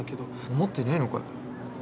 思ってねぇのかよ。